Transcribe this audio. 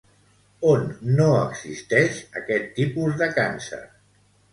On no existeix aquest tipus de càncer?